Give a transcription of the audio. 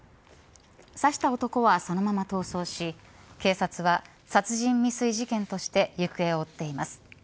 刺した男はそのまま逃走し警察は殺人未遂事件として行方を追っています。